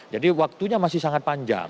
jadi waktunya masih sangat panjang